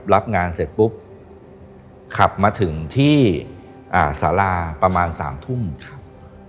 รับงานเสร็จปุ๊บขับมาถึงที่อ่าสาราประมาณสามทุ่มครับ